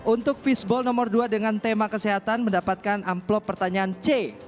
untuk fisball nomor dua dengan tema kesehatan mendapatkan amplop pertanyaan c